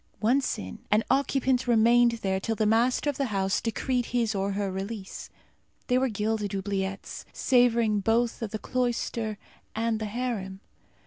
Once in, an occupant remained there till the master of the house decreed his or her release. They were gilded oubliettes, savouring both of the cloister and the harem.